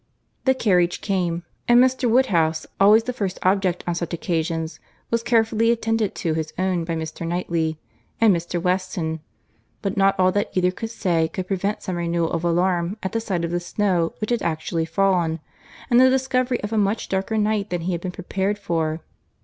The carriage came: and Mr. Woodhouse, always the first object on such occasions, was carefully attended to his own by Mr. Knightley and Mr. Weston; but not all that either could say could prevent some renewal of alarm at the sight of the snow which had actually fallen, and the discovery of a much darker night than he had been prepared for.